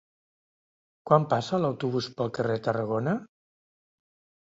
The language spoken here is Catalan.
Quan passa l'autobús pel carrer Tarragona?